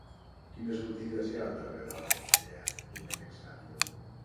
Quines botigues hi ha al carrer del Beat Domènec Savio?